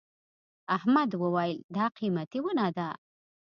احمد وويل: دا قيمتي ونه ده.